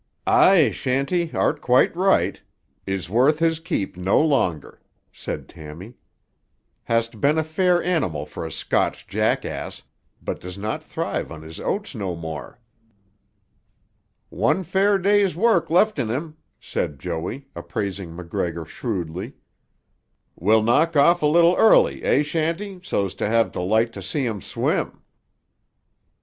"Aye, Shanty, art quite right. Is worth his keep no longer," said Tammy. "Hast been a fair animal for a Scotch jackass, but does not thrive on his oats no more." "One fair day's work left in him," said Joey, appraising MacGregor shrewdly. "Will knock off a little early, eh, Shanty, so's to have tuh light to see him swim."